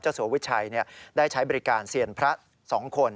สัววิชัยได้ใช้บริการเซียนพระ๒คน